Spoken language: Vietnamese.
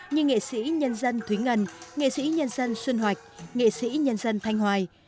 như nghệ sĩ nhân dân thúy ngân nghệ sĩ nhân dân xuân hoạch nghệ sĩ nhân dân thanh hoài